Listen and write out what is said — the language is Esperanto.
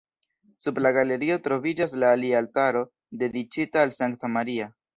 Sub la galerio troviĝas la alia altaro dediĉita al Sankta Maria.